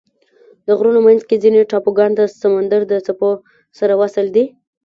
د غرونو منځ کې ځینې ټاپوګان د سمندر د څپو سره وصل دي.